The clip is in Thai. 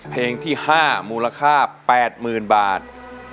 เพลงที่๕มูลค่า๘๐๐๐บาท